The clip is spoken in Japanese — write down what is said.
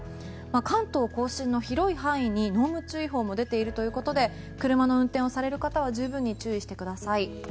関東・甲信の広い範囲に濃霧注意報も出ているということで車の運転をされる方は十分に注意してください。